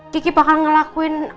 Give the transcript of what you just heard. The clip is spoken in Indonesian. kiki bakal ngelakuin